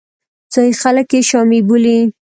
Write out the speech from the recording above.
ځایي خلک یې شامي بولي.